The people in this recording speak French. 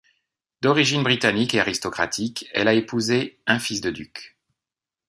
D'origine britannique et aristocratique, elle a épousé un fils de duc.